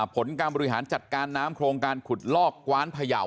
ผลกรรมบริหารจัดการน้ำโครงการขุดลอกพุทยศปุ่นทางทเลยนะครับ